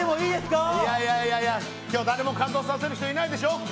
いやいやいや今日誰も感動させる人いないでしょ。